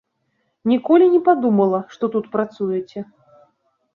Ніколі не падумала, што тут працуеце.